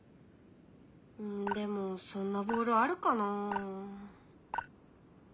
うんでもそんなボールあるかなあ？